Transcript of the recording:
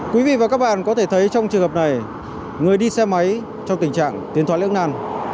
quý vị và các bạn có thể thấy trong trường hợp này người đi xe máy trong tình trạng tiền thoại lưỡng nàn